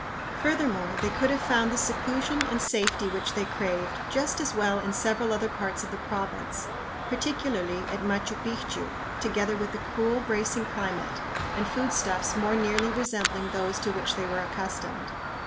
Furthermore, they could have found the seclusion and safety which they craved just as well in several other parts of the province, particularly at Machu Picchu, together with a cool, bracing climate and food stuffs more nearly resembling those to which they were accustomed.